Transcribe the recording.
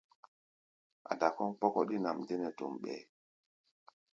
Ada kɔ́ʼm kpɔ́kɔ́ɗí nʼam dé nɛ tom ɓɛɛ́.